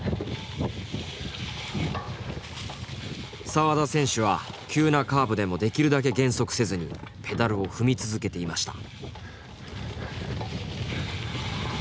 沢田選手は急なカーブでもできるだけ減速せずにペダルを踏み続けていました。